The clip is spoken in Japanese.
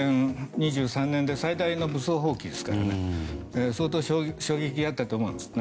２３年で最大の武装蜂起ですから相当衝撃があったと思います。